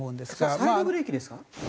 それサイドブレーキですか？